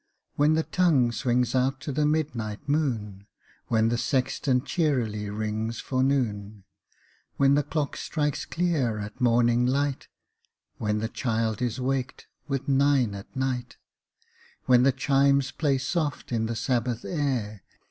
When the tonirue swino;s out to the midnin; ht moon— When the sexton checrly rings for noon — When the clock strikes clear at morning light — When the child is waked with " nine at night" — When the chimes play soft in the Sabbath air.